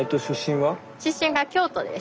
出身が京都です。